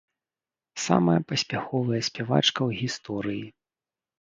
Самая паспяховая спявачка ў гісторыі.